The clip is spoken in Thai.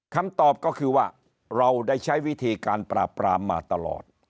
คำตอบก็คือว่าเราได้ใช้วิธีการปราบปรามมาตลอด